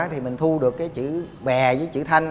thì mình thu được cái chữ bè với chữ thanh